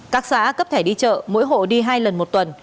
các xã cấp thẻ đi chợ mỗi hộ đi hai lần một tuần